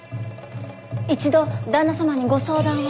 一度旦那様にご相談を。